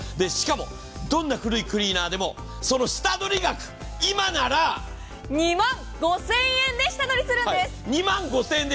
しかも、どんな古いクリーナーでもその下取り額今なら２万５０００円で下取りするんです！